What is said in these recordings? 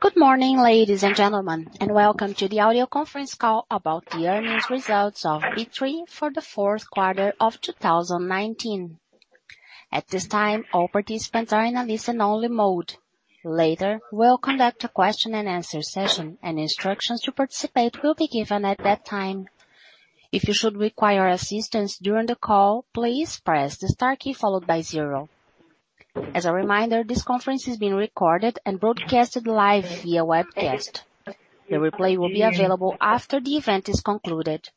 Good morning, ladies and gentlemen, and welcome to the audio conference call about the earnings results of B3 for the fourth quarter of 2019. At this time, all participants are in a listen only mode. Later, we'll conduct a question and answer session, and instructions to participate will be given at that time. If you should require assistance during the call, please press the star key followed by zero. As a reminder, this conference is being recorded and broadcasted live via webcast. The replay will be available after the event is concluded.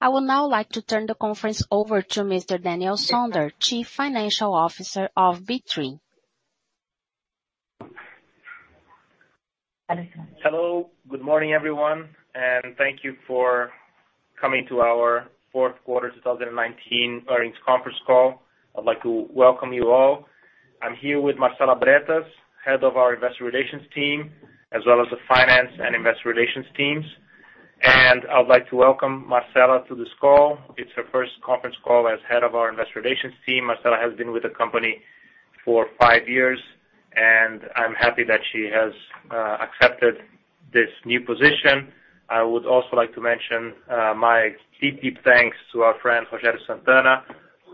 I would now like to turn the conference over to Mr. Daniel Sonder, Chief Financial Officer of B3. Hello, good morning, everyone, and thank you for coming to our fourth quarter 2019 earnings conference call. I'd like to welcome you all. I'm here with Marcela Bretas, head of our investor relations team, as well as the finance and investor relations teams. I'd like to welcome Marcela to this call. It's her first conference call as head of our investor relations team. Marcela has been with the company for five years, and I'm happy that she has accepted this new position. I would also like to mention my deep thanks to our friend, Rogério Santana,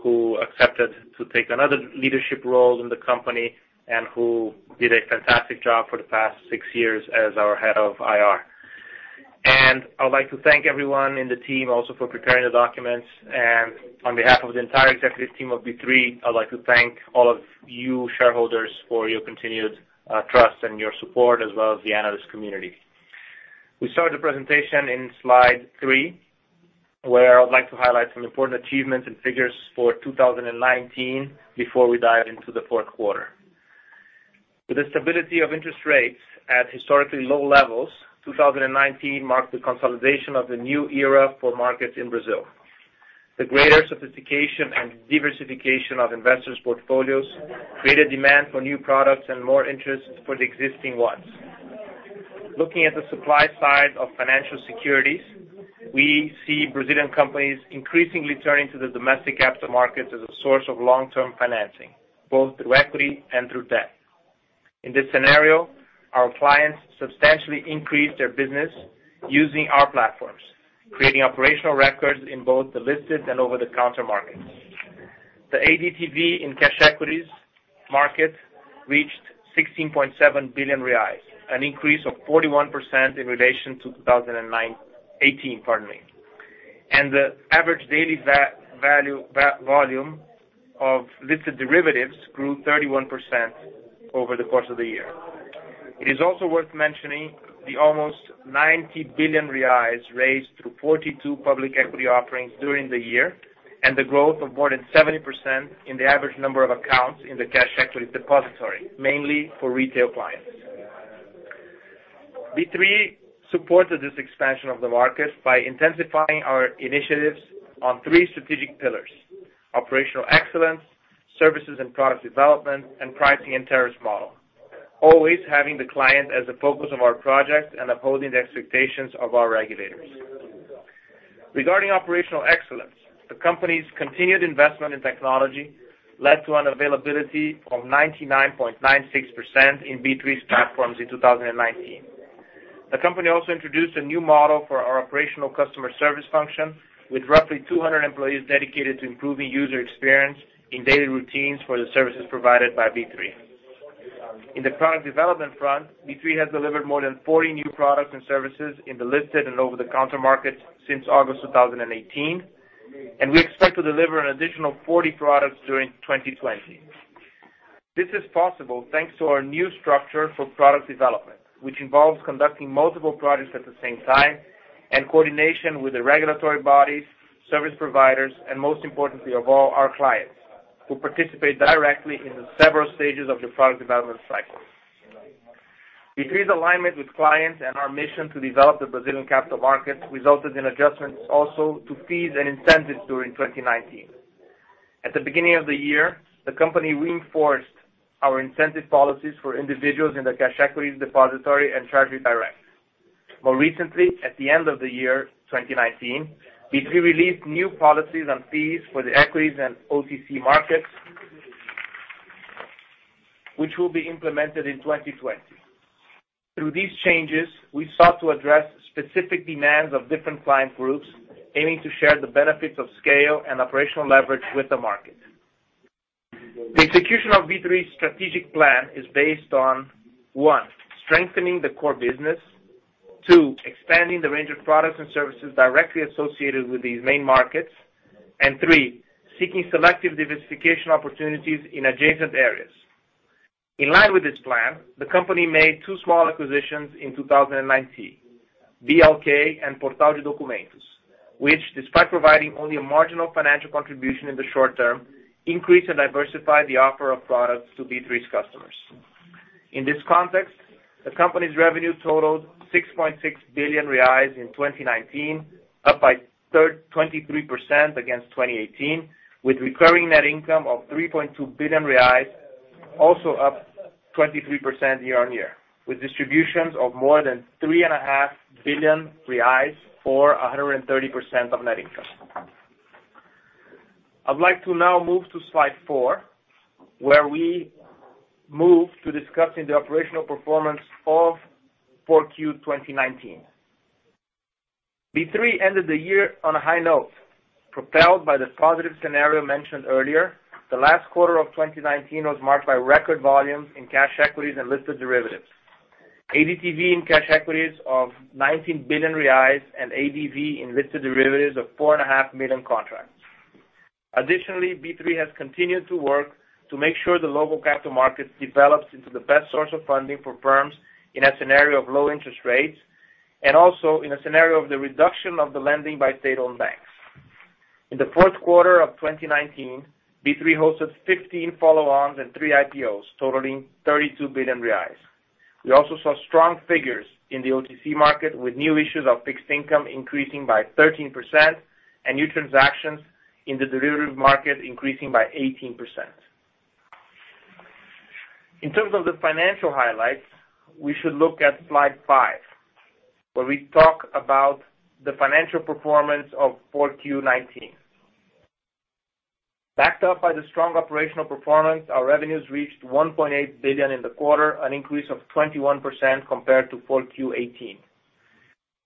who accepted to take another leadership role in the company, and who did a fantastic job for the past six years as our head of IR. I'd like to thank everyone in the team also for preparing the documents. On behalf of the entire executive team of B3, I'd like to thank all of you shareholders for your continued trust and your support as well as the analyst community. We start the presentation in slide three, where I would like to highlight some important achievements and figures for 2019 before we dive into the fourth quarter. With the stability of interest rates at historically low levels, 2019 marked the consolidation of the new era for markets in Brazil. The greater sophistication and diversification of investors' portfolios created demand for new products and more interest for the existing ones. Looking at the supply side of financial securities, we see Brazilian companies increasingly turning to the domestic capital markets as a source of long-term financing, both through equity and through debt. In this scenario, our clients substantially increased their business using our platforms, creating operational records in both the listed and over-the-counter markets. The ADTV in cash equities markets reached 16.7 billion reais, an increase of 41% in relation to 2018, pardon me. The average daily volume of listed derivatives grew 31% over the course of the year. It is also worth mentioning the almost 90 billion reais raised through 42 public equity offerings during the year, and the growth of more than 70% in the average number of accounts in the cash equity depository, mainly for retail clients. B3 supported this expansion of the market by intensifying our initiatives on three strategic pillars, operational excellence, services and product development, and pricing and tariff model. Always having the client as the focus of our project and upholding the expectations of our regulators. Regarding operational excellence, the company's continued investment in technology led to an availability of 99.96% in B3's platforms in 2019. The company also introduced a new model for our operational customer service function, with roughly 200 employees dedicated to improving user experience in daily routines for the services provided by B3. In the product development front, B3 has delivered more than 40 new products and services in the listed and over-the-counter market since August 2018, and we expect to deliver an additional 40 products during 2020. This is possible thanks to our new structure for product development, which involves conducting multiple projects at the same time and coordination with the regulatory bodies, service providers, and most importantly of all, our clients, who participate directly in the several stages of the product development cycle. B3's alignment with clients and our mission to develop the Brazilian capital market resulted in adjustments also to fees and incentives during 2019. At the beginning of the year, the company reinforced our incentive policies for individuals in the cash equities depository and Treasury Direct. More recently, at the end of the year 2019, B3 released new policies and fees for the equities and OTC markets, which will be implemented in 2020. Through these changes, we sought to address specific demands of different client groups, aiming to share the benefits of scale and operational leverage with the market. The execution of B3's strategic plan is based on, one, strengthening the core business. Two, expanding the range of products and services directly associated with these main markets. Three, seeking selective diversification opportunities in adjacent areas. In line with this plan, the company made two small acquisitions in 2019, BLK and Portal de Documentos, which despite providing only a marginal financial contribution in the short term, increased and diversified the offer of products to B3's customers. In this context, the company's revenue totaled 6.6 billion reais in 2019, up by 23% against 2018, with recurring net income of 3.2 billion reais, also up 23% year-on-year, with distributions of more than 3.5 billion reais, or 130% of net income. I'd like to now move to slide four, where we move to discussing the operational performance of 4Q 2019. B3 ended the year on a high note, propelled by the positive scenario mentioned earlier. The last quarter of 2019 was marked by record volumes in cash equities and listed derivatives. ADTV in cash equities of 19 billion reais and ADV in listed derivatives of 4.5 million contracts. B3 has continued to work to make sure the local capital market develops into the best source of funding for firms in a scenario of low interest rates, and also in a scenario of the reduction of the lending by state-owned banks. In the fourth quarter of 2019, B3 hosted 15 follow-ons and three IPOs, totaling 32 billion reais. We also saw strong figures in the OTC market, with new issues of fixed income increasing by 13% and new transactions in the derivative market increasing by 18%. In terms of the financial highlights, we should look at slide five, where we talk about the financial performance of 4Q19. Backed up by the strong operational performance, our revenues reached 1.8 billion in the quarter, an increase of 21% compared to 4Q18.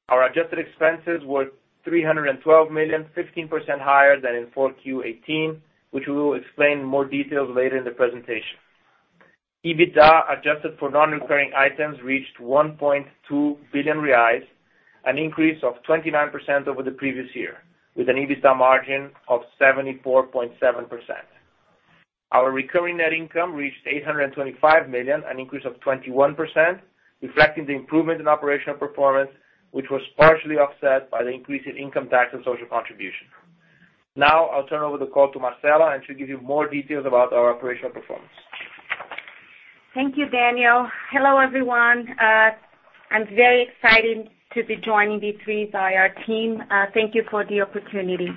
Our adjusted expenses were 312 million, 15% higher than in 4Q18, which we will explain in more details later in the presentation. EBITDA adjusted for non-recurring items reached 1.2 billion reais, an increase of 29% over the previous year, with an EBITDA margin of 74.7%. Our recurring net income reached 825 million, an increase of 21%, reflecting the improvement in operational performance, which was partially offset by the increase in income tax and social contribution. I'll turn over the call to Marcela and she'll give you more details about our operational performance. Thank you, Daniel. Hello, everyone. I'm very excited to be joining B3's IR team. Thank you for the opportunity.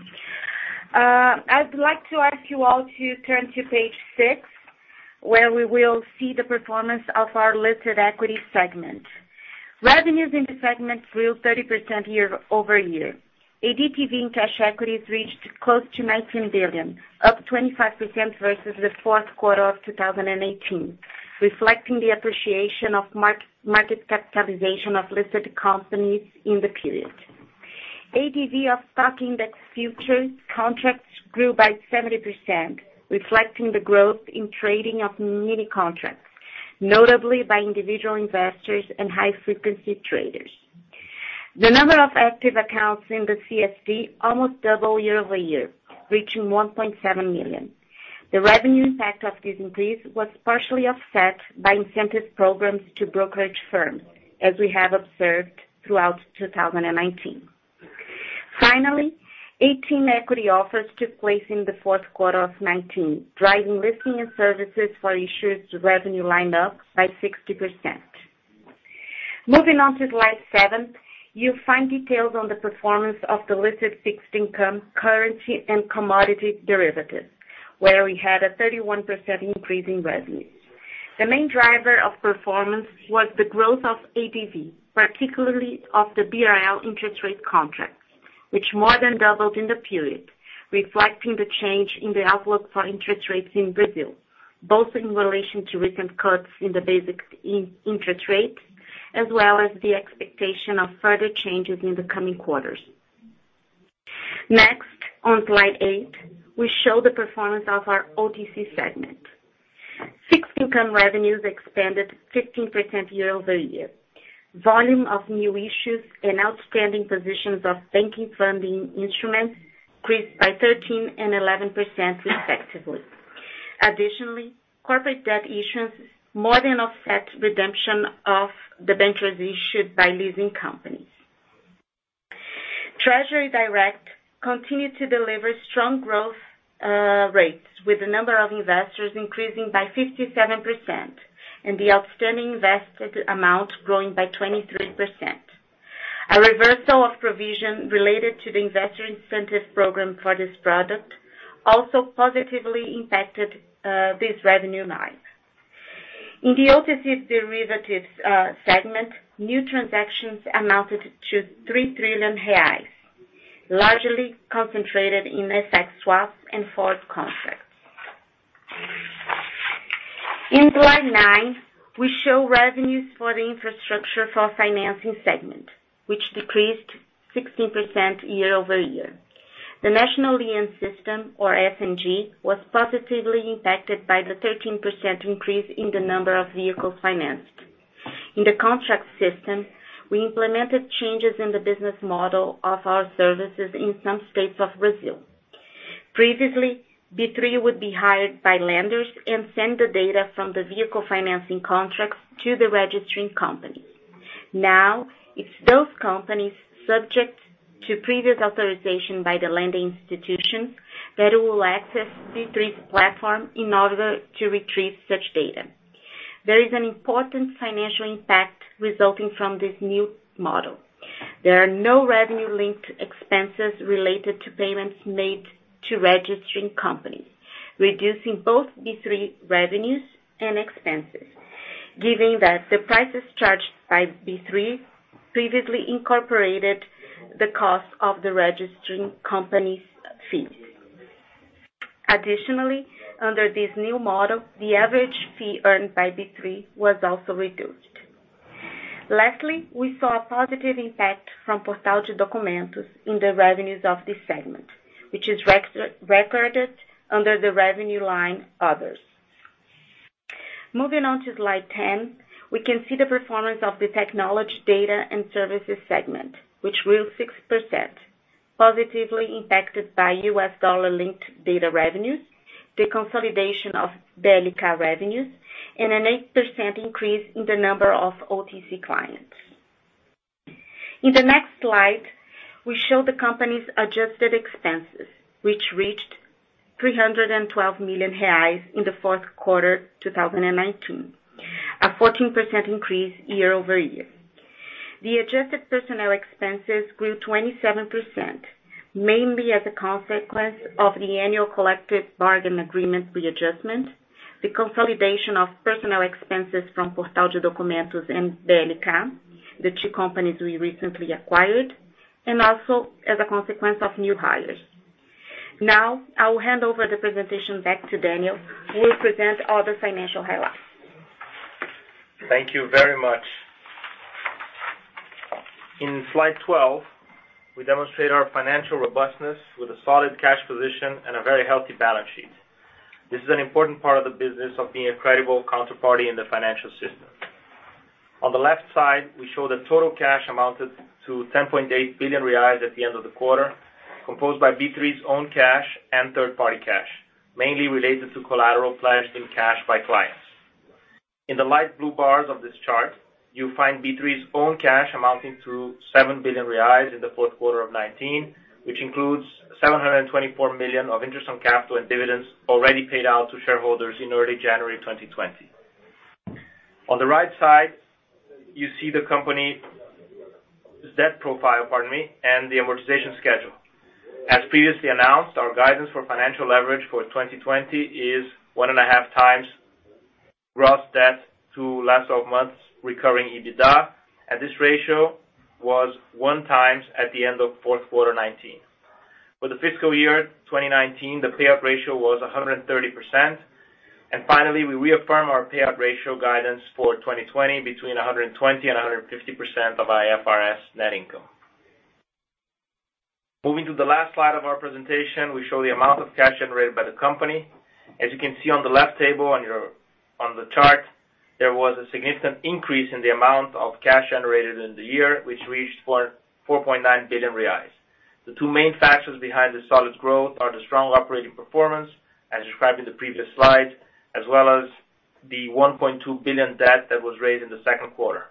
I'd like to ask you all to turn to page six, where we will see the performance of our listed equity segment. Revenues in the segment grew 30% year-over-year. ADTV in cash equities reached close to 19 billion, up 25% versus the fourth quarter of 2018, reflecting the appreciation of market capitalization of listed companies in the period. ADV of stock index futures contracts grew by 70%, reflecting the growth in trading of mini contracts, notably by individual investors and high-frequency traders. The number of active accounts in the CSD almost doubled year-over-year, reaching 1.7 million. The revenue impact of this increase was partially offset by incentive programs to brokerage firms, as we have observed throughout 2019. Finally, 18 equity offers took place in the fourth quarter of 2019, driving listing and services for issuers revenue line up by 60%. Moving on to slide seven, you'll find details on the performance of the listed fixed income, currency, and commodity derivatives, where we had a 31% increase in revenues. The main driver of performance was the growth of ADV, particularly of the BRL interest rate contracts, which more than doubled in the period, reflecting the change in the outlook for interest rates in Brazil, both in relation to recent cuts in the basic interest rates, as well as the expectation of further changes in the coming quarters. On slide eight, we show the performance of our OTC segment. Fixed income revenues expanded 15% year-over-year. Volume of new issues and outstanding positions of banking funding instruments increased by 13% and 11% respectively. Additionally, corporate debt issuance more than offset redemption of debentures issued by leasing companies. Treasury Direct continued to deliver strong growth rates, with the number of investors increasing by 57% and the outstanding invested amount growing by 23%. A reversal of provision related to the investor incentive program for this product also positively impacted this revenue line. In the OTC derivatives segment, new transactions amounted to 3 trillion reais, largely concentrated in FX swaps and forward contracts. In slide nine, we show revenues for the infrastructure for financing segment, which decreased 16% year-over-year. The national lien system, or SNG, was positively impacted by the 13% increase in the number of vehicles financed. In the contract system, we implemented changes in the business model of our services in some states of Brazil. Previously, B3 would be hired by lenders and send the data from the vehicle financing contracts to the registering company. Now, it's those companies subject to previous authorization by the lending institutions that will access B3's platform in order to retrieve such data. There is an important financial impact resulting from this new model. There are no revenue-linked expenses related to payments made to registering companies, reducing both B3 revenues and expenses, given that the prices charged by B3 previously incorporated the cost of the registering companies fee. Additionally, under this new model, the average fee earned by B3 was also reduced. Lastly, we saw a positive impact from Portal de Documentos in the revenues of this segment, which is recorded under the revenue line, others. Moving on to slide 10, we can see the performance of the technology data and services segment, which grew 6%, positively impacted by U.S. dollar-linked data revenues, the consolidation of BLK revenues, and an 8% increase in the number of OTC clients. In the next slide, we show the company's adjusted expenses, which reached 312 million reais in the fourth quarter 2019, a 14% increase year-over-year. The adjusted personnel expenses grew 27%, mainly as a consequence of the annual collective bargain agreement readjustment, the consolidation of personnel expenses from Portal de Documentos and BLK, the two companies we recently acquired, and also as a consequence of new hires. I will hand over the presentation back to Daniel, who will present other financial highlights. Thank you very much. In slide 12, we demonstrate our financial robustness with a solid cash position and a very healthy balance sheet. This is an important part of the business of being a credible counterparty in the financial system. On the left side, we show the total cash amounted to 10.8 billion reais at the end of the quarter, composed by B3's own cash and third-party cash, mainly related to collateral pledged in cash by clients. In the light blue bars of this chart, you find B3's own cash amounting to 7 billion reais in the fourth quarter of 2019, which includes 724 million of interest on capital and dividends already paid out to shareholders in early January 2020. On the right side, you see the company's debt profile, pardon me, and the amortization schedule. As previously announced, our guidance for financial leverage for 2020 is 1.5x Gross debt to last 12 months recurring EBITDA. This ratio was 1x at the end of fourth quarter 2019. For the fiscal year 2019, the payout ratio was 130%. Finally, we reaffirm our payout ratio guidance for 2020 between 120% and 150% of IFRS net income. Moving to the last slide of our presentation, we show the amount of cash generated by the company. As you can see on the left table on the chart, there was a significant increase in the amount of cash generated in the year, which reached 4.9 billion reais. The two main factors behind this solid growth are the strong operating performance, as described in the previous slide, as well as the 1.2 billion debt that was raised in the second quarter.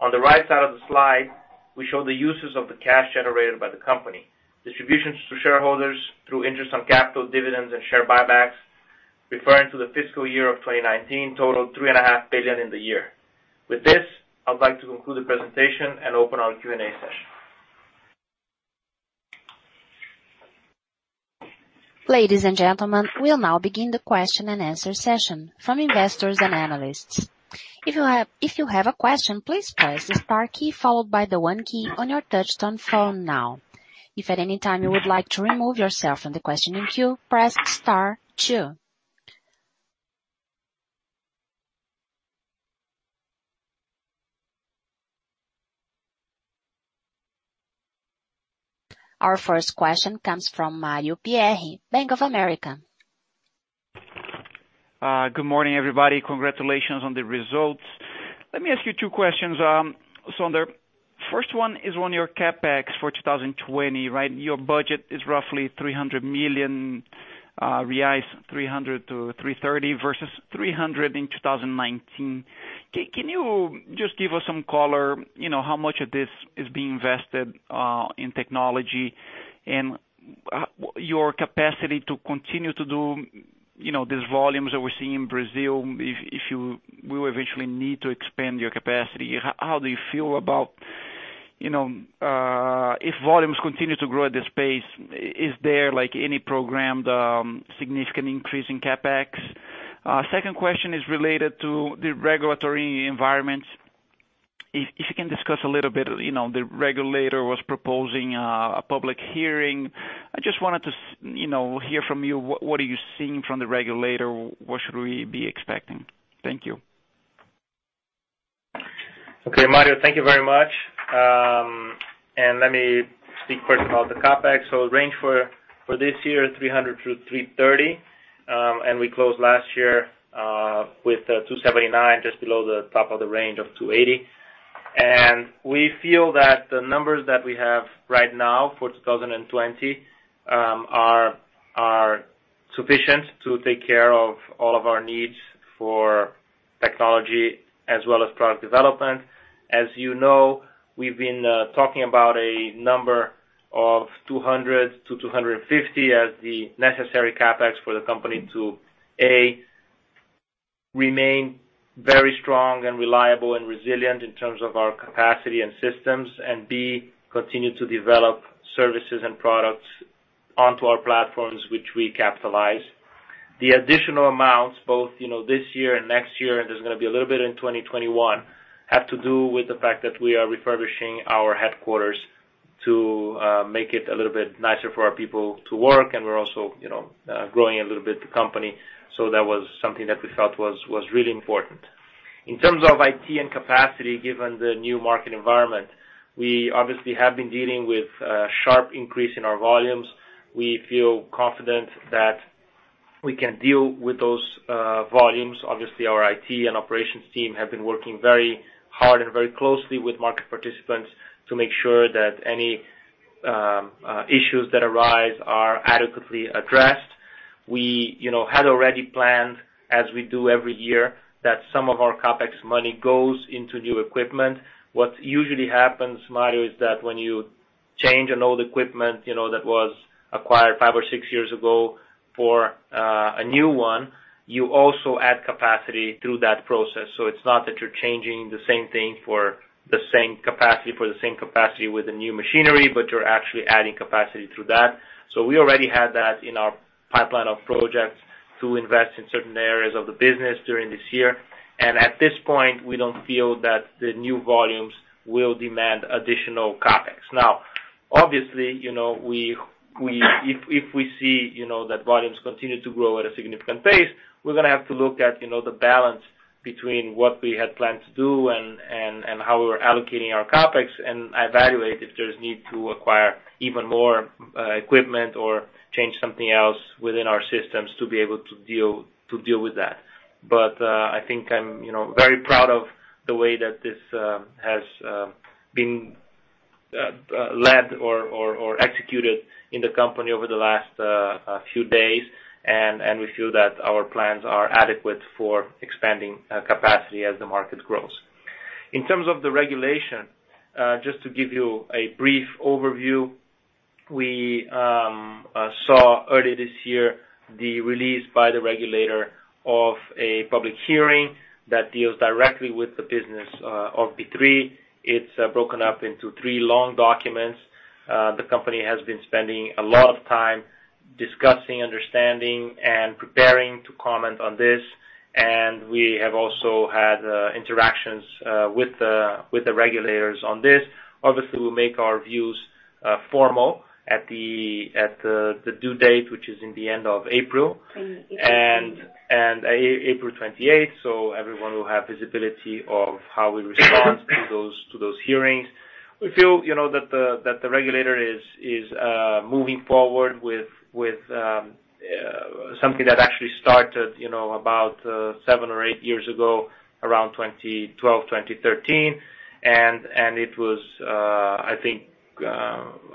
On the right side of the slide, we show the uses of the cash generated by the company. Distributions to shareholders through interest on capital dividends and share buybacks referring to the fiscal year of 2019 totaled three and a half billion in the year. With this, I would like to conclude the presentation and open our Q&A session. Ladies and gentlemen, we'll now begin the question and answer session from investors and analysts. If you have a question, please press the star key followed by the one key on your touchtone phone now. If at any time you would like to remove yourself from the questioning queue, press star two. Our first question comes from Mario Pierry, Bank of America. Good morning, everybody. Congratulations on the results. Let me ask you two questions. The first one is on your CapEx for 2020, right? Your budget is roughly 300 million-330 million reais versus BRL 300 million in 2019. Can you just give us some color, how much of this is being invested, in technology? Your capacity to continue to do these volumes that we're seeing in Brazil, if you will eventually need to expand your capacity, how do you feel about, if volumes continue to grow at this pace, is there any programmed significant increase in CapEx? Second question is related to the regulatory environment. If you can discuss a little bit, the regulator was proposing a public hearing. I just wanted to hear from you, what are you seeing from the regulator? What should we be expecting? Thank you. Okay, Mario, thank you very much. Let me speak first about the CapEx. Range for this year, 300 million-330 million. We closed last year with 279 million, just below the top of the range of 280 million. We feel that the numbers that we have right now for 2020 are sufficient to take care of all of our needs for technology as well as product development. As you know, we've been talking about a number of 200 million-250 million as the necessary CapEx for the company to, A, Remain very strong and reliable and resilient in terms of our capacity and systems. B, continue to develop services and products onto our platforms, which we capitalize. The additional amounts, both this year and next year, there's going to be a little bit in 2021, have to do with the fact that we are refurbishing our headquarters to make it a little bit nicer for our people to work, we're also growing a little bit, the company, that was something that we felt was really important. In terms of IT and capacity, given the new market environment, we obviously have been dealing with a sharp increase in our volumes. We feel confident that we can deal with those volumes. Obviously, our IT and operations team have been working very hard and very closely with market participants to make sure that any issues that arise are adequately addressed. We had already planned, as we do every year, that some of our CapEx money goes into new equipment. What usually happens, Mario, is that when you change an old equipment that was acquired five or six years ago, for a new one, you also add capacity through that process. It's not that you're changing the same thing for the same capacity with the new machinery, but you're actually adding capacity through that. We already had that in our pipeline of projects to invest in certain areas of the business during this year. At this point, we don't feel that the new volumes will demand additional CapEx. Obviously, if we see that volumes continue to grow at a significant pace, we're going to have to look at the balance between what we had planned to do and how we're allocating our CapEx, and evaluate if there's need to acquire even more equipment or change something else within our systems to be able to deal with that. I think I'm very proud of the way that this has been led or executed in the company over the last few days. We feel that our plans are adequate for expanding capacity as the market grows. In terms of the regulation, just to give you a brief overview, we saw earlier this year the release by the regulator of a public hearing that deals directly with the business of B3. It's broken up into three long documents. The company has been spending a lot of time discussing, understanding, and preparing to comment on this, and we have also had interactions with the regulators on this. Obviously, we'll make our views formal at the due date, which is in the end of April, April 28th. Everyone will have visibility of how we respond to those hearings. We feel that the regulator is moving forward with something that actually started about seven or eight years ago, around 2012, 2013. It was, I think,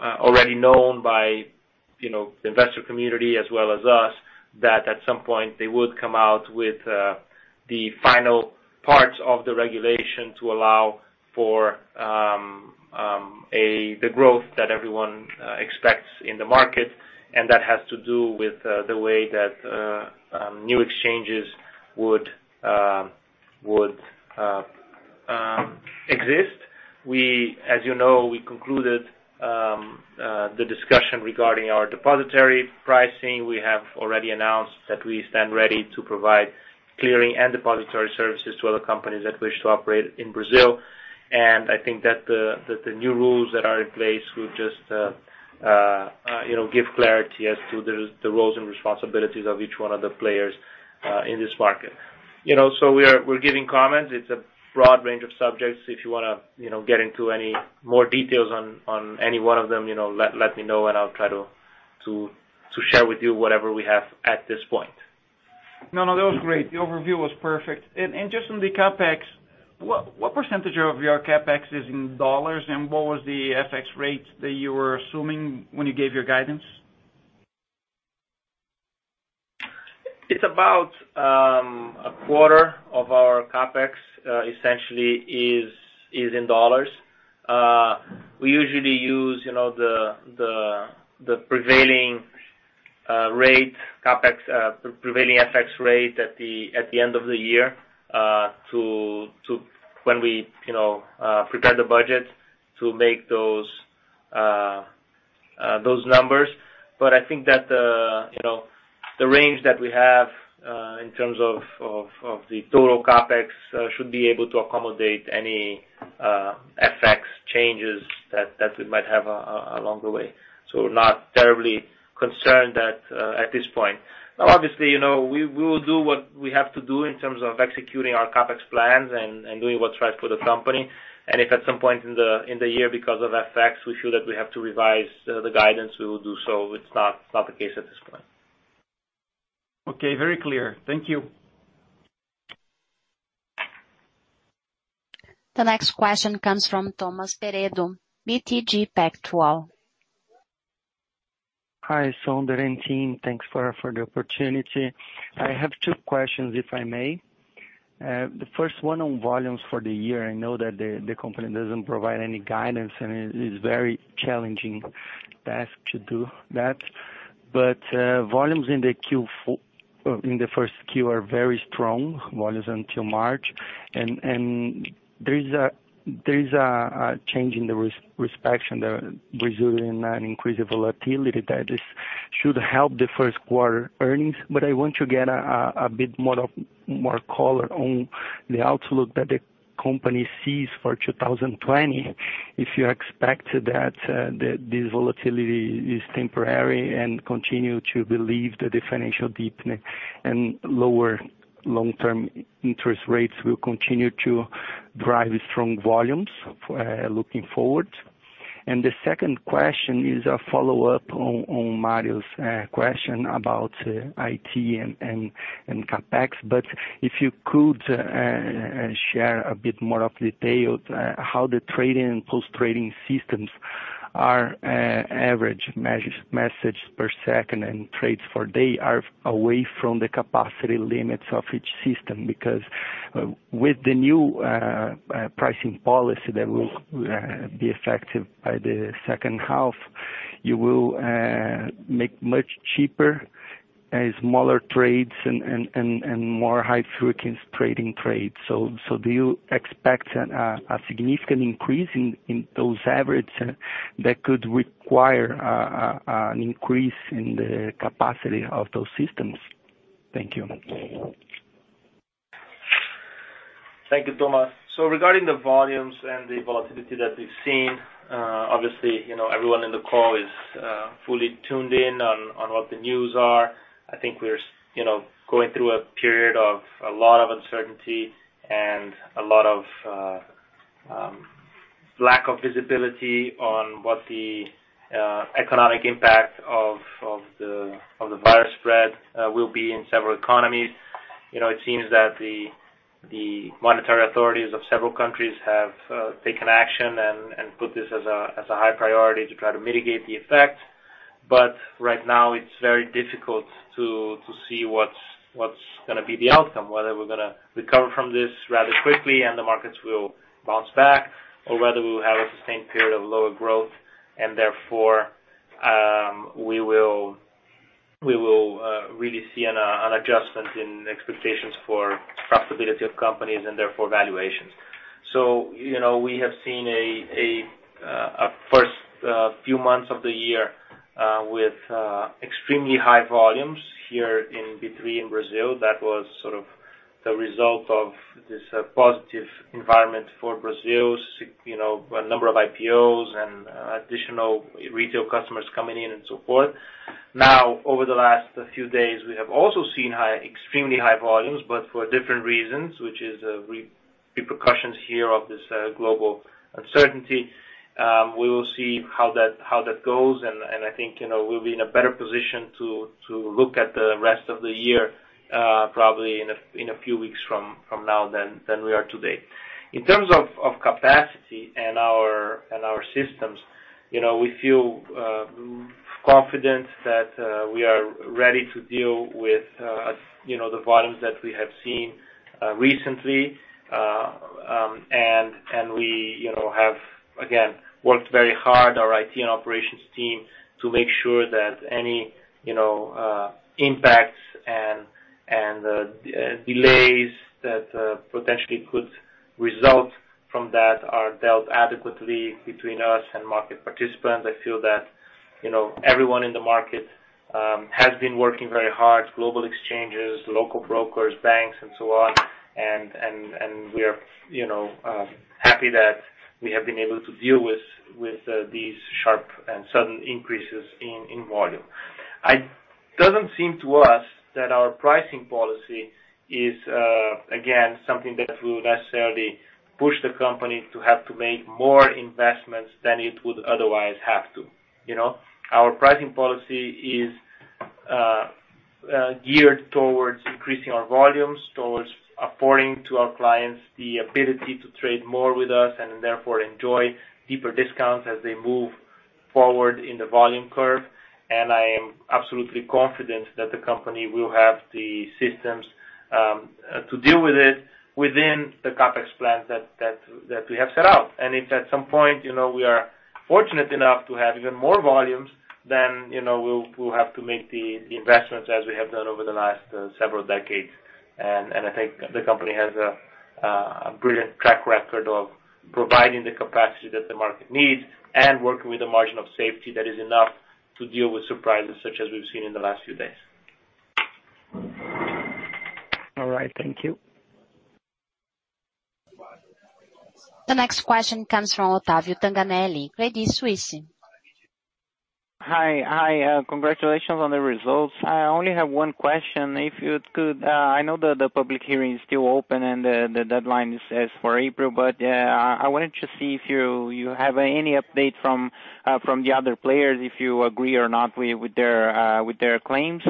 already known by the investor community as well as us that at some point, they would come out with the final parts of the regulation to allow for the growth that everyone expects in the market, and that has to do with the way that new exchanges would exist. As you know, we concluded the discussion regarding our depositary pricing. We have already announced that we stand ready to provide clearing and depositary services to other companies that wish to operate in Brazil. I think that the new rules that are in place will just give clarity as to the roles and responsibilities of each one of the players in this market. We're giving comments. It's a broad range of subjects. If you want to get into any more details on any one of them, let me know and I'll try to share with you whatever we have at this point. No, that was great. The overview was perfect. Just on the CapEx, what percentage of your CapEx is in dollars, and what was the FX rate that you were assuming when you gave your guidance? It's about a quarter of our CapEx essentially is in dollars. We usually use the prevailing FX rate at the end of the year when we prepare the budget to make those numbers. I think that the range that we have, in terms of the total CapEx, should be able to accommodate any FX changes that we might have along the way. Not terribly concerned at this point. Now, obviously, we will do what we have to do in terms of executing our CapEx plans and doing what's right for the company. If at some point in the year, because of FX, we feel that we have to revise the guidance, we will do so. It's not the case at this point. Okay. Very clear. Thank you. The next question comes from Thomas Peredo, BTG Pactual. Hi, Sonder and team. Thanks for the opportunity. I have two questions, if I may. The first one on volumes for the year. I know that the company doesn't provide any guidance, and it is very challenging task to do that. Volumes in the first Q are very strong, volumes until March. There is a change in the risk perception that resulting in an increase of volatility that should help the first quarter earnings. I want to get a bit more color on the outlook that the company sees for 2020. If you expect that this volatility is temporary and continue to believe that the financial deepening and lower long-term interest rates will continue to drive strong volumes, looking forward. The second question is a follow-up on Mario's question about IT and CapEx, but if you could share a bit more of details how the trading and post-trading systems are average message per second and trades per day are away from the capacity limits of each system. With the new pricing policy that will be effective by the second half, you will make much cheaper, smaller trades and more high-frequency trading trades. Do you expect a significant increase in those average that could require an increase in the capacity of those systems? Thank you. Thank you, Thomas. Regarding the volumes and the volatility that we've seen, obviously everyone in the call is fully tuned in on what the news are. I think we're going through a period of a lot of uncertainty and a lot of lack of visibility on what the economic impact of the virus spread will be in several economies. It seems that the monetary authorities of several countries have taken action and put this as a high priority to try to mitigate the effect. Right now it's very difficult to see what's going to be the outcome. Whether we're going to recover from this rather quickly and the markets will bounce back, or whether we will have a sustained period of lower growth and therefore, we will really see an adjustment in expectations for profitability of companies and therefore valuations. We have seen our first few months of the year with extremely high volumes here in B3 in Brazil. That was sort of the result of this positive environment for Brazil. A number of IPOs and additional retail customers coming in and so forth. Over the last few days, we have also seen extremely high volumes, but for different reasons, which is repercussions here of this global uncertainty. We will see how that goes, and I think we'll be in a better position to look at the rest of the year, probably in a few weeks from now than we are today. In terms of capacity and our systems, we feel confident that we are ready to deal with the volumes that we have seen recently. We have, again, worked very hard, our IT and operations team, to make sure that any impacts and delays that potentially could result from that are dealt adequately between us and market participants. I feel that everyone in the market has been working very hard, global exchanges, local brokers, banks, and so on. We are happy that we have been able to deal with these sharp and sudden increases in volume. It doesn't seem to us that our pricing policy is, again, something that will necessarily push the company to have to make more investments than it would otherwise have to. Our pricing policy is geared towards increasing our volumes, towards affording to our clients the ability to trade more with us, and therefore enjoy deeper discounts as they move forward in the volume curve. I am absolutely confident that the company will have the systems to deal with it within the CapEx plan that we have set out. If at some point we are fortunate enough to have even more volumes, then we'll have to make the investments as we have done over the last several decades. I think the company has a brilliant track record of providing the capacity that the market needs and working with a margin of safety that is enough to deal with surprises such as we've seen in the last few days. All right. Thank you. The next question comes from Otavio Tanganelli, Credit Suisse. Hi. Congratulations on the results. I only have one question, if you could. I know that the public hearing is still open and the deadline is set for April. I wanted to see if you have any update from the other players, if you agree or not with their claims.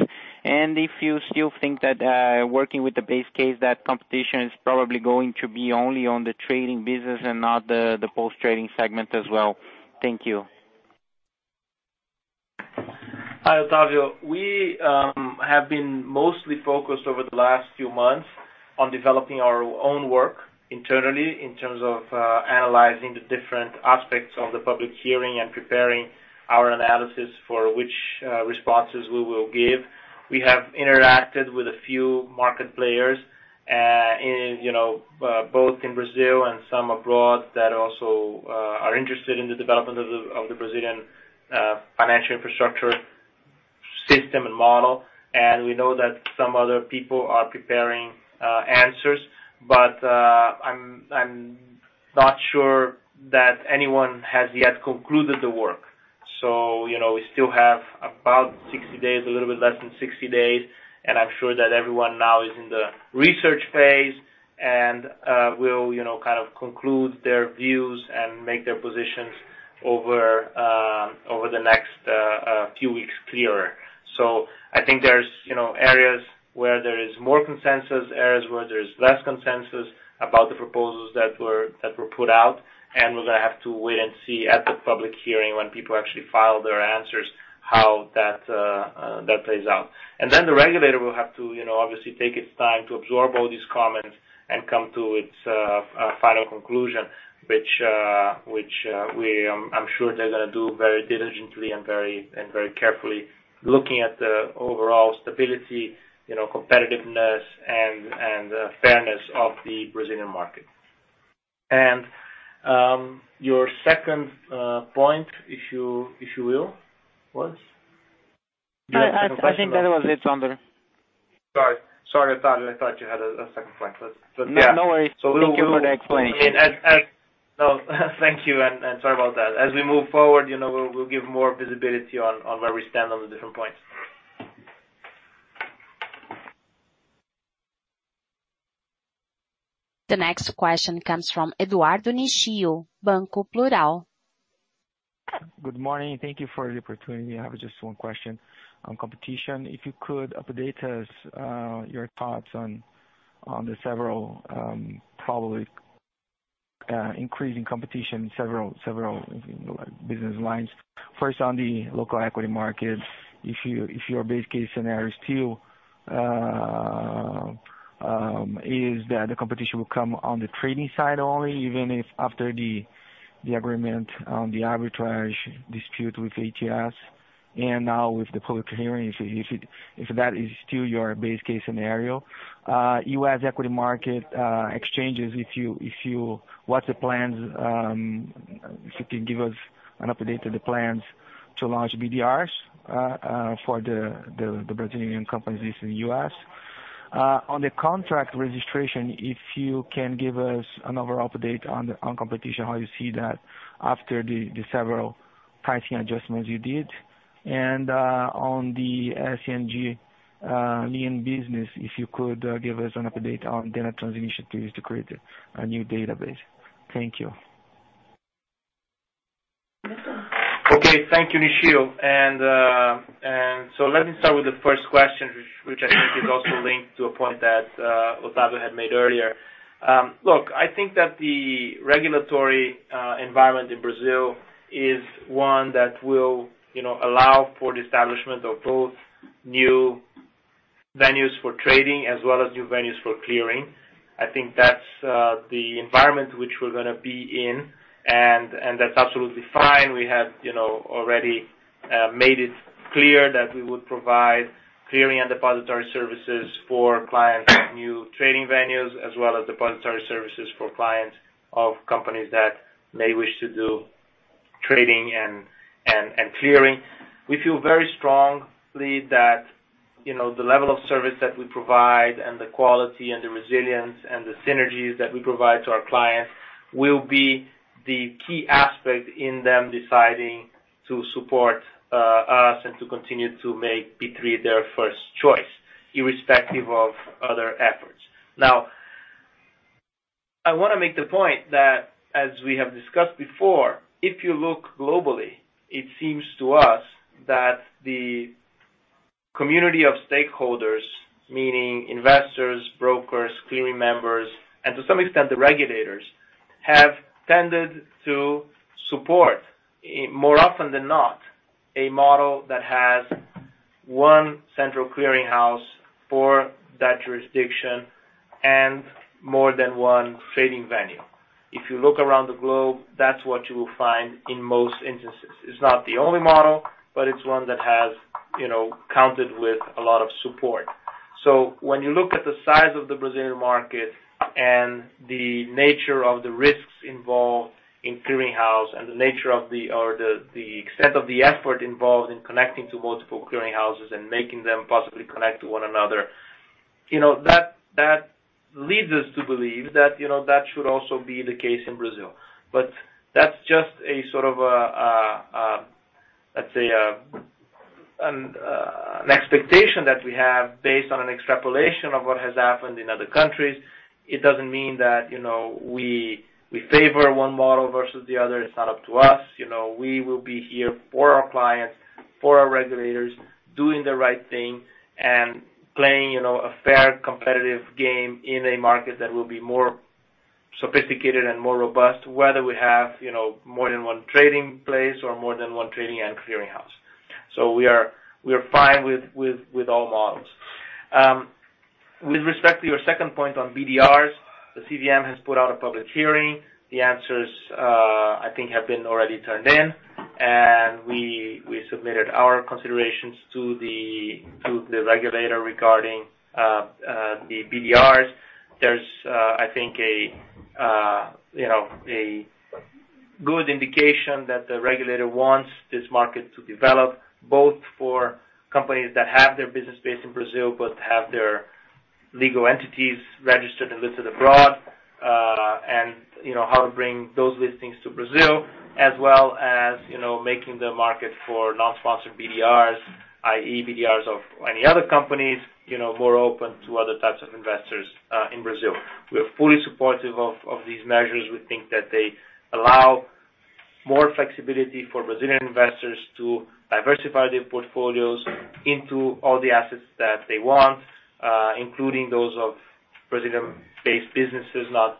If you still think that working with the base case, that competition is probably going to be only on the trading business and not the post-trading segment as well. Thank you. Hi, Otavio. We have been mostly focused over the last few months on developing our own work internally in terms of analyzing the different aspects of the public hearing and preparing our analysis for which responses we will give. We have interacted with a few market players, both in Brazil and some abroad, that also are interested in the development of the Brazilian financial infrastructure system and model. We know that some other people are preparing answers, but I'm not sure that anyone has yet concluded the work. We still have about 60 days, a little bit less than 60 days, and I'm sure that everyone now is in the research phase and will kind of conclude their views and make their positions over the next few weeks clearer. I think there's areas where there is more consensus, areas where there's less consensus about the proposals that were put out, and we're going to have to wait and see at the public hearing when people actually file their answers, how that plays out. Then the regulator will have to obviously take its time to absorb all these comments and come to its final conclusion, which I'm sure they're going to do very diligently and very carefully, looking at the overall stability, competitiveness, and fairness of the Brazilian market. Your second point, if you will, was? I think that was it, Sonder Sorry. I thought you had a second point. No worries. Thank you for the explanation. Thank you, sorry about that. As we move forward, we'll give more visibility on where we stand on the different points. The next question comes from Eduardo Nishio, Banco Plural. Good morning. Thank you for the opportunity. I have just one question on competition. If you could update us your thoughts on the several, probably increasing competition in several business lines. First, on the local equity market, if your base case scenario still is that the competition will come on the trading side only, even if after the agreement on the arbitrage dispute with ATS and now with the public hearing, if that is still your base case scenario. U.S. equity market exchanges, what's the plans? If you could give us an update to the plans to launch BDRs for the Brazilian companies in the U.S. On the contract registration, if you can give us an overall update on competition, how you see that after the several pricing adjustments you did. On the SNG lien business, if you could give us an update on data transmission to create a new database. Thank you. Okay. Thank you, Nishio. Let me start with the first question, which I think is also linked to a point that Otavio had made earlier. Look, I think that the regulatory environment in Brazil is one that will allow for the establishment of both new venues for trading as well as new venues for clearing. I think that's the environment which we're going to be in, and that's absolutely fine. We have already made it clear that we would provide clearing and depository services for clients of new trading venues, as well as depository services for clients of companies that may wish to do trading and clearing. We feel very strongly that the level of service that we provide and the quality and the resilience and the synergies that we provide to our clients will be the key aspect in them deciding to support us and to continue to make B3 their first choice, irrespective of other efforts. I want to make the point that as we have discussed before, if you look globally, it seems to us that the community of stakeholders, meaning investors, brokers, clearing members, and to some extent, the regulators, have tended to support, more often than not, a model that has one central clearinghouse for that jurisdiction and more than one trading venue. If you look around the globe, that's what you will find in most instances. It's not the only model, but it's one that has counted with a lot of support. When you look at the size of the Brazilian market and the nature of the risks involved in clearinghouse and the nature of the extent of the effort involved in connecting to multiple clearinghouses and making them possibly connect to one another, that leads us to believe that should also be the case in Brazil. That's just a sort of, let's say, an expectation that we have based on an extrapolation of what has happened in other countries. It doesn't mean that we favor one model versus the other. It's not up to us. We will be here for our clients, for our regulators, doing the right thing and playing a fair, competitive game in a market that will be more sophisticated and more robust, whether we have more than one trading place or more than one trading and clearinghouse. We are fine with all models. With respect to your second point on BDRs, the CVM has put out a public hearing. The answers, I think, have been already turned in. We submitted our considerations to the regulator regarding the BDRs. There's, I think, a good indication that the regulator wants this market to develop, both for companies that have their business based in Brazil but have their legal entities registered and listed abroad. How to bring those listings to Brazil, as well as making the market for non-sponsored BDRs, i.e. BDRs of any other companies, more open to other types of investors in Brazil. We are fully supportive of these measures. We think that they allow more flexibility for Brazilian investors to diversify their portfolios into all the assets that they want, including those of Brazilian-based businesses not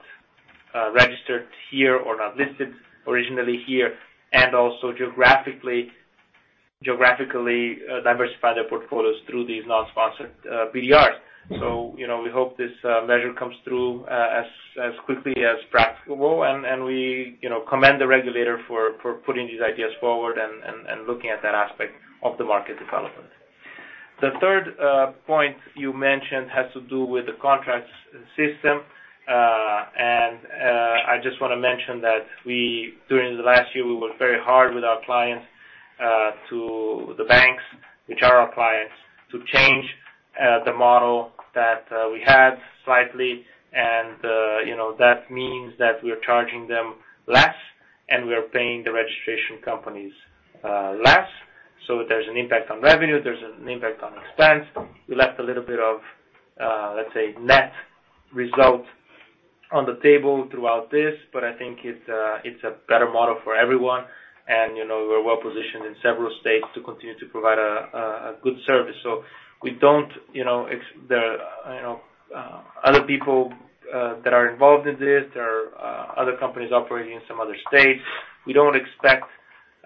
registered here or not listed originally here, and also geographically diversify their portfolios through these non-sponsored BDRs. We hope this measure comes through as quickly as practicable, and we commend the regulator for putting these ideas forward and looking at that aspect of the market development. The third point you mentioned has to do with the contracts system, and I just want to mention that during the last year, we worked very hard with our clients, the banks, which are our clients, to change the model that we had slightly. That means that we are charging them less, and we are paying the registration companies less. There's an impact on revenue, there's an impact on expense. We left a little bit of, let's say, net result on the table throughout this, but I think it's a better model for everyone. We're well-positioned in several states to continue to provide a good service. Other people that are involved in this, there are other companies operating in some other states. We don't expect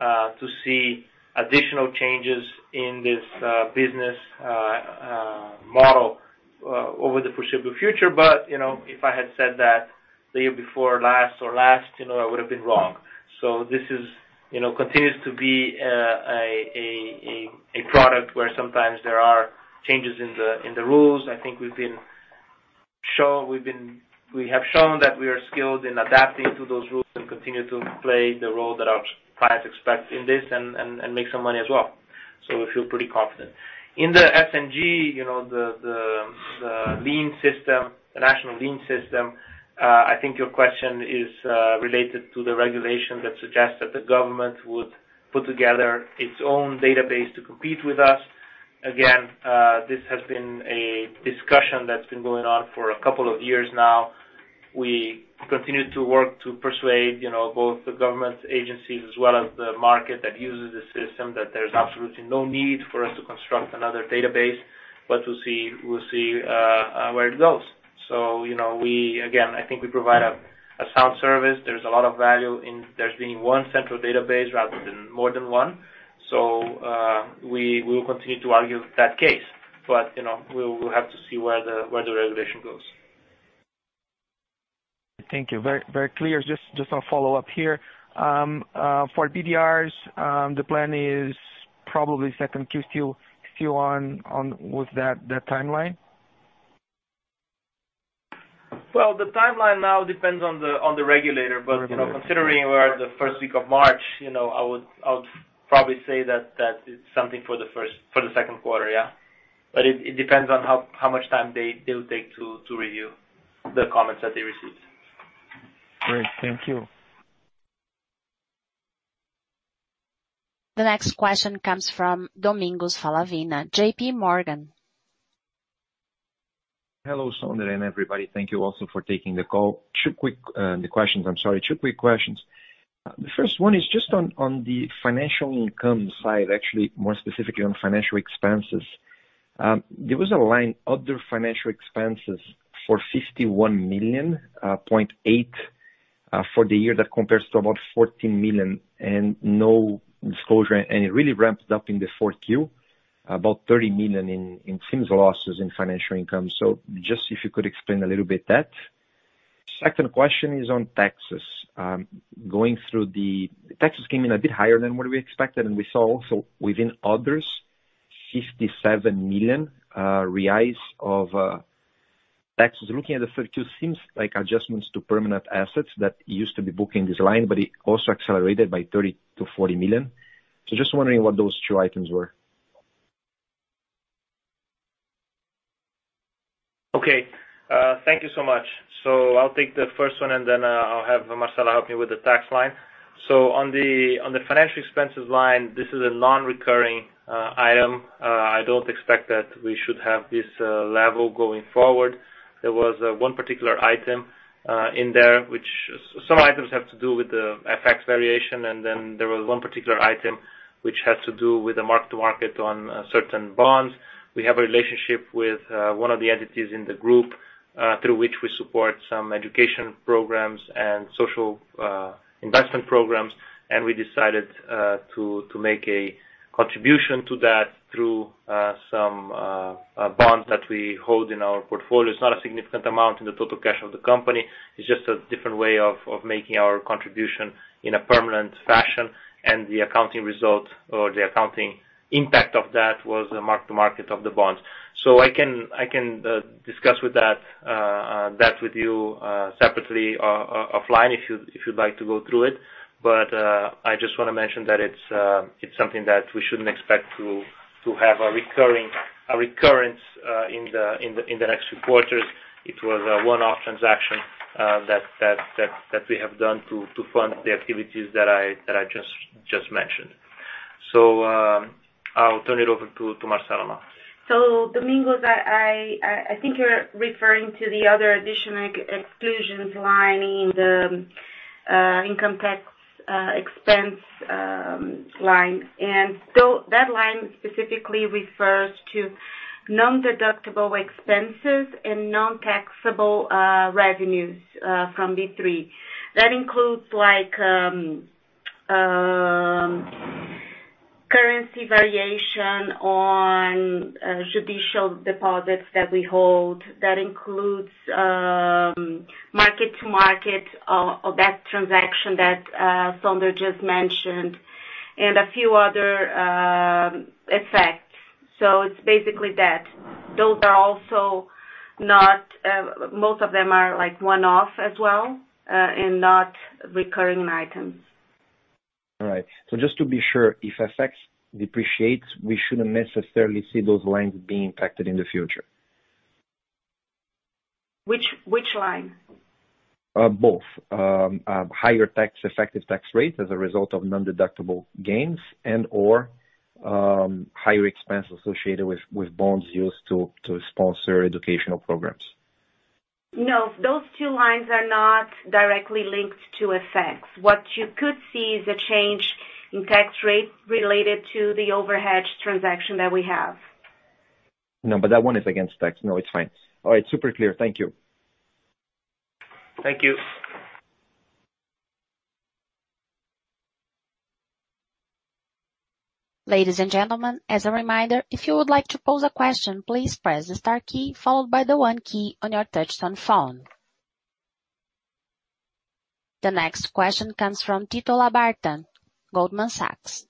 to see additional changes in this business model over the foreseeable future. If I had said that the year before last or last, I would have been wrong. This continues to be a product where sometimes there are changes in the rules. I think we have shown that we are skilled in adapting to those rules and continue to play the role that our clients expect in this and make some money as well. We feel pretty confident. In the SNG, the national lien system, I think your question is related to the regulation that suggests that the government would put together its own database to compete with us. Again, this has been a discussion that's been going on for a couple of years now. We continue to work to persuade both the government agencies as well as the market that uses the system that there's absolutely no need for us to construct another database, but we'll see where it goes. Again, I think we provide a sound service. There's a lot of value in there being one central database rather than more than one. We will continue to argue that case, but we will have to see where the regulation goes. Thank you. Very clear. Just a follow-up here. For BDRs, the plan is probably second Q2. Still on with that timeline? Well, the timeline now depends on the regulator. Considering we are at the first week of March, I would probably say that it's something for the second quarter, yeah. It depends on how much time they'll take to review the comments that they received. Great. Thank you. The next question comes from Domingos Falavina, JPMorgan. Hello, Sonder, and everybody. Thank you also for taking the call. Two quick questions. The first one is just on the financial income side, actually, more specifically on financial expenses. There was a line, other financial expenses for 51.8 million for the year. That compares to about 14 million and no disclosure, and it really ramped up in the fourth Q, about 30 million in SIM losses in financial income. Just if you could explain a little bit that. Second question is on taxes. Taxes came in a bit higher than what we expected, and we saw also within others, 57 million reais of taxes. Looking at the third Q, seems like adjustments to permanent assets that used to be booking this line, but it also accelerated by 30 million-40 million. Just wondering what those two items were. Okay. Thank you so much. I'll take the first one, and then I'll have Marcela help me with the tax line. On the financial expenses line, this is a non-recurring item. I don't expect that we should have this level going forward. There was one particular item in there. Some items have to do with the FX variation, and then there was one particular item which had to do with the mark to market on certain bonds. We have a relationship with one of the entities in the group through which we support some education programs and social investment programs, and we decided to make a contribution to that through some bonds that we hold in our portfolio. It's not a significant amount in the total cash of the company. It's just a different way of making our contribution in a permanent fashion and the accounting result or the accounting impact of that was a mark to market of the bonds. I can discuss that with you separately offline if you'd like to go through it. I just want to mention that it's something that we shouldn't expect to have a recurrence in the next few quarters. It was a one-off transaction that we have done to fund the activities that I just mentioned. I'll turn it over to Marcela now. Domingos, I think you're referring to the other additional exclusions line in the income tax expense line. That line specifically refers to non-deductible expenses and non-taxable revenues from B3. That includes currency variation on judicial deposits that we hold. That includes market-to-market of that transaction that Sonder just mentioned and a few other effects. It's basically that. Most of them are one-off as well and not recurring items. All right. Just to be sure, if FX depreciates, we shouldn't necessarily see those lines being impacted in the future? Which line? Both. Higher effective tax rate as a result of non-deductible gains and/or higher expense associated with bonds used to sponsor educational programs. No, those two lines are not directly linked to FX. What you could see is a change in tax rate related to the overhead transaction that we have. That one is against tax. No, it's fine. All right. Super clear. Thank you. Thank you. Ladies and gentlemen, as a reminder, if you would like to pose a question, please press the star key followed by the one key on your touch-tone phone. The next question comes from Tito Labarta, Goldman Sachs.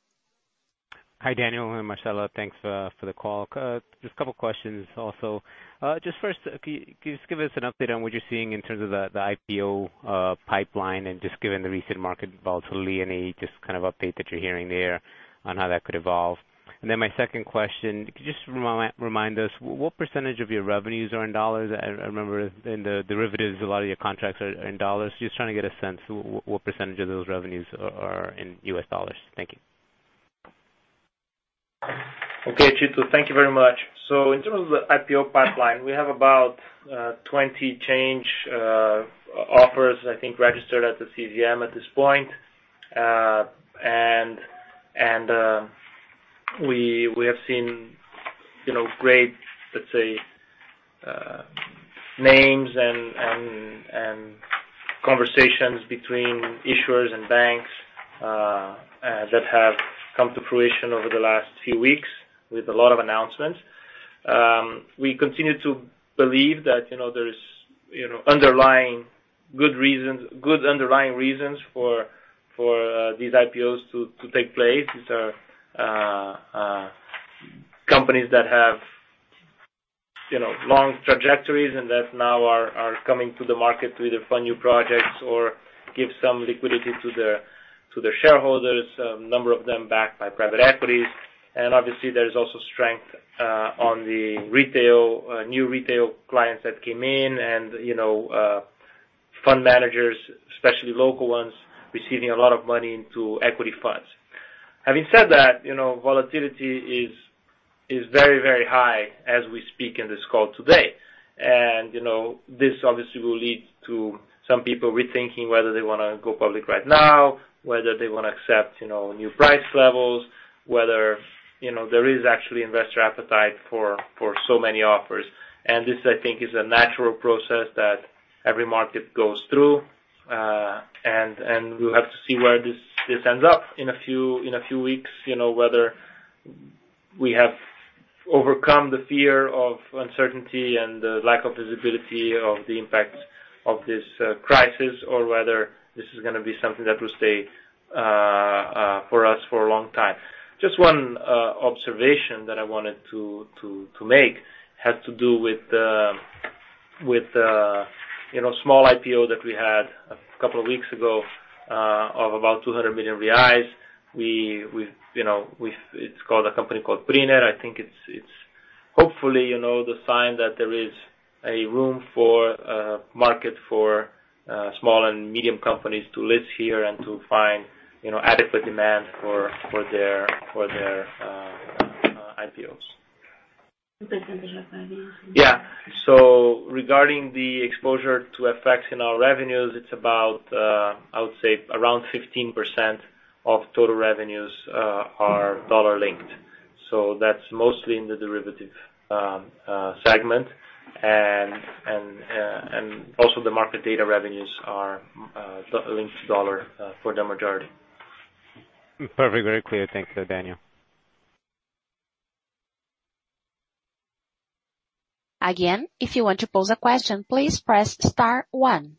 Hi, Daniel and Marcela. Thanks for the call. Just a couple of questions also. First, can you just give us an update on what you're seeing in terms of the IPO pipeline and just given the recent market volatility, any just update that you're hearing there on how that could evolve? My second question, could you just remind us what percentage of your revenues are in dollars? I remember in the derivatives, a lot of your contracts are in dollars. Just trying to get a sense what percentage of those revenues are in U.S. dollars. Thank you. Okay, Tito. Thank you very much. In terms of the IPO pipeline, we have about 20 change offers I think registered at the CVM at this point. We have seen great, let's say, names and conversations between issuers and banks that have come to fruition over the last few weeks with a lot of announcements. We continue to believe that there is good underlying reasons for these IPOs to take place. These are companies that have long trajectories and that now are coming to the market to either fund new projects or give some liquidity to their shareholders, a number of them backed by private equities. Obviously, there is also strength on the new retail clients that came in and fund managers, especially local ones, receiving a lot of money into equity funds. Having said that, volatility is very high as we speak in this call today. This obviously will lead to some people rethinking whether they want to go public right now, whether they want to accept new price levels, whether there is actually investor appetite for so many offers. This, I think is a natural process that every market goes through. We'll have to see where this ends up in a few weeks, whether we have overcome the fear of uncertainty and the lack of visibility of the impact of this crisis or whether this is going to be something that will stay for us for a long time. Just one observation that I wanted to make had to do with a small IPO that we had a couple of weeks ago of about 200 million reais. It's a company called Brisanet. I think it's hopefully the sign that there is a room for market for small and medium companies to list here and to find adequate demand for their IPOs. Percentage of revenues. Yeah. Regarding the exposure to FX in our revenues, it's about, I would say around 15% of total revenues are dollar-linked. That's mostly in the derivative segment. Also the market data revenues are linked to dollar for the majority. Perfect. Very clear. Thank you, Daniel. Again, if you want to pose a question, please press star one.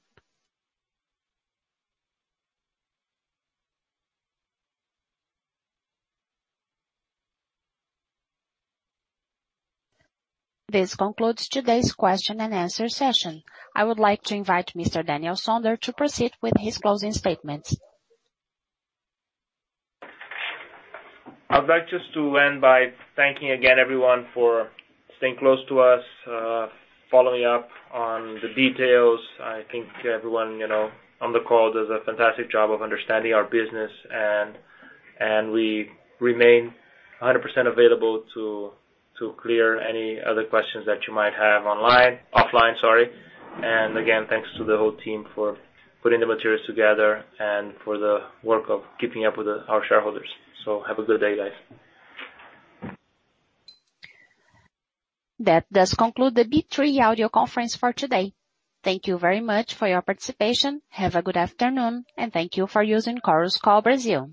This concludes today's question and answer session. I would like to invite Mr. Daniel Sonder to proceed with his closing statements. I'd like just to end by thanking again everyone for staying close to us, following up on the details. I think everyone on the call does a fantastic job of understanding our business, we remain 100% available to clear any other questions that you might have offline. Again, thanks to the whole team for putting the materials together and for the work of keeping up with our shareholders. Have a good day, guys. That does conclude the B3 audio conference for today. Thank you very much for your participation. Have a good afternoon, and thank you for using Chorus Call Brazil.